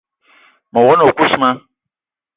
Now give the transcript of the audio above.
Me wog-na o kousma: